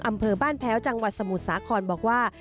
อำเภอบ้านแพ้วจังหวัดสมุทรสาครบอกว่า